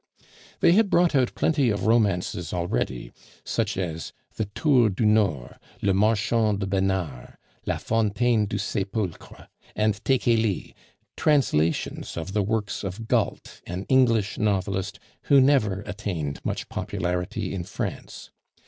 They had brought out plenty of romances already, such as the Tour du Nord, Le Marchand de Benares, La Fontaine du Sepulcre, and Tekeli, translations of the works of Galt, an English novelist who never attained much popularity in France.